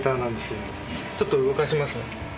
ちょっと動かしますね。